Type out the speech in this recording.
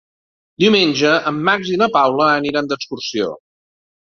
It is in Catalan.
Diumenge en Max i na Paula aniran d'excursió.